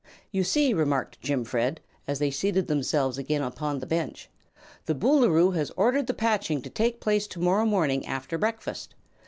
"You see," remarked Jimfred, as they seated themselves again upon the bench, "the Boolooroo has ordered the patching to take place to morrow morning after breakfast.